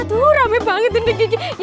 tuh rame banget ini